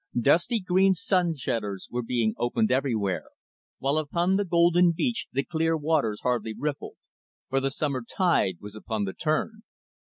Dusty green sun shutters were being opened everywhere, while upon the golden beach the clear waters hardly rippled, for the summer tide was upon the turn.